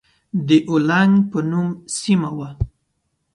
د اولنګ په نوم سيمه وه.